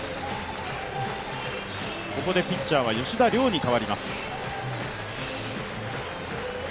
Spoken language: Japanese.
ここでピッチャーは吉田凌に代わります。